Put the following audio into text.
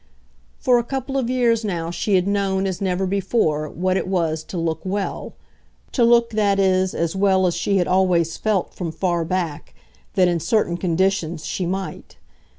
For a couple of years now she had known as never before what it was to look "well" to look, that is, as well as she had always felt, from far back, that, in certain conditions, she might.